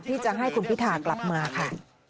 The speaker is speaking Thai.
ที่จะให้คุณพิธากลับมาค่ะ